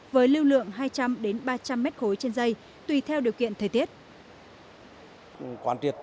với lưu lượng hai trăm linh ba trăm linh m ba trên dây tùy theo điều kiện thời tiết